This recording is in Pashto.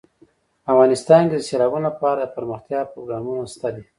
افغانستان کې د سیلابونو لپاره دپرمختیا پروګرامونه شته دي.